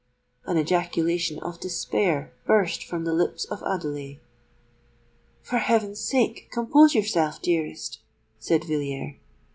An ejaculation of despair burst from the lips of Adelais. "For heaven's sake, compose yourself, dearest!" said Villiers.